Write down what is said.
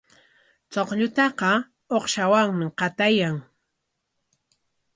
Chukllataqa uqshawanmi qatayan.